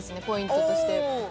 ポイントとして。